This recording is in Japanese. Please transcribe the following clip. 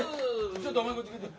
ちょっとお前こっち来て。